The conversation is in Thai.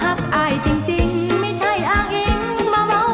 ฮักเท่าหอยโฟงจิงปิงจังปังแจงแปงจงโฟง